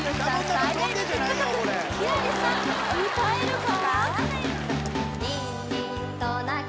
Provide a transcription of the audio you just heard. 最大のヒット曲輝星さん歌えるか？